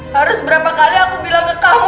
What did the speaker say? harus berapa kali aku bilang ke kamu